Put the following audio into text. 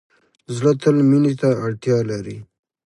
زړه تل مینې ته اړتیا لري.